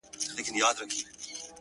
o ستا وه څادرته ضروت لرمه ـ